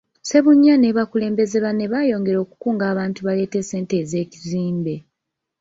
Ssebunya ne bakulembeze banne baayongera okukunga abantu baleete ssente ez’ekizimbe.